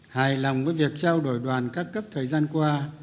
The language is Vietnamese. hài lòng với việc trao đổi đoàn các cấp thời gian qua